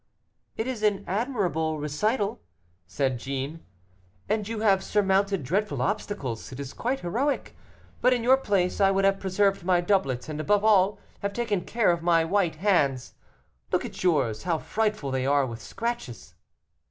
"It is an admirable recital," said Jeanne, "and you have surmounted dreadful obstacles; it is quite heroic; but in your place I would have preserved my doublet, and above all, have taken care of my white hands. Look at yours, how frightful they are with scratches."